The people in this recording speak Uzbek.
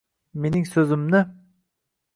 mening so’zimni…